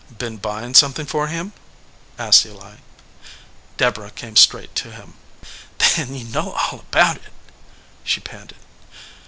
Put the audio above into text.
"Been buying something for him?" asked Eli. Deborah came straight to him. "Then you know all about it?" she panted.